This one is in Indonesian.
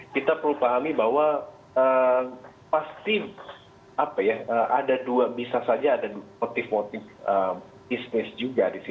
kita perlu pahami bahwa pasti ada dua bisa saja motif motif bisnis juga